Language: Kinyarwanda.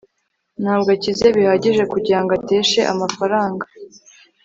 ntabwo akize bihagije kugirango ateshe amafaranga